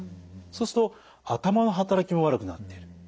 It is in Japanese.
そうすると頭の働きも悪くなっている。